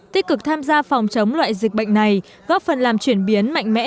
tích cực tham gia phòng chống loại dịch bệnh này góp phần làm chuyển biến mạnh mẽ